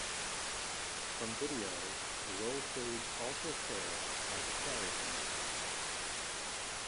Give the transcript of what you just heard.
From videos, the roll-cage also serves as a carry handle.